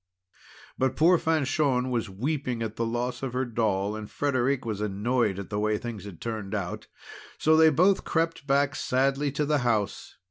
But poor Fanchon was weeping at the loss of her doll, and Frederic was annoyed at the way things had turned out, so they both crept back sadly to the house.